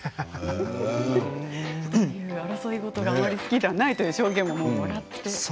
争い事があまり好きではないという証言ももらって。